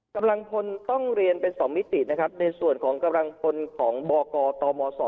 กำลังพลต้องเรียนเป็น๒มิตินะครับในส่วนของกำลังพลของบกตม๒